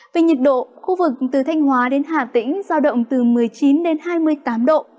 về nhiệt độ khu vực từ thanh hóa đến hà tĩnh giao động từ một mươi chín đến hai mươi tám độ